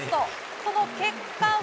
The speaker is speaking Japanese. その結果は。